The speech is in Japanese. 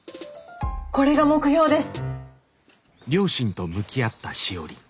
これが目標です。